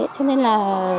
cho nên là